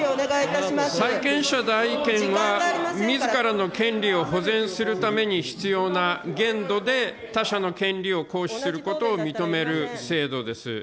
債権者代位権は、みずからの権利を保全するために必要な限度で他者の権利を行使することを認める制度です。